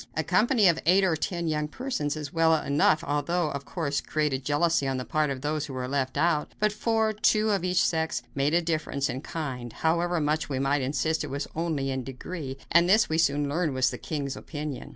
A company of eight or ten young persons was well enough, although it, of course, created jealousy on the part of those who were left out; but four two of each sex made a difference in kind, however much we might insist it was only in degree; and this we soon learned was the king's opinion.